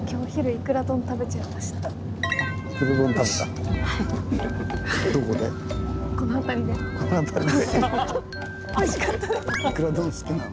いくら丼好きなの？